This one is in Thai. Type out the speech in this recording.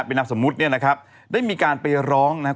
เป็นนามสมมุติเนี่ยนะครับได้มีการไปร้องนะครับ